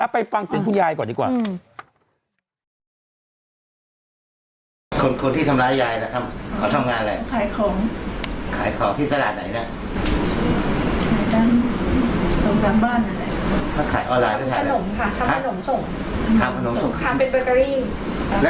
ไปฟังเสียงคุณยายก่อนดีกว่า